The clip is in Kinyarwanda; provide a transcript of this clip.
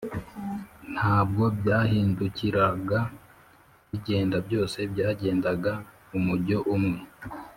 Ntabwo byahindukiraga bigenda, byose byagendaga umujyo umwe